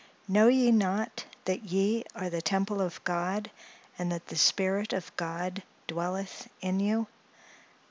"Know ye not that ye are the Temple of God, and that the Spirit of God dwelleth in you?"